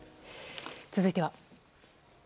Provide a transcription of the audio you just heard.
続いては。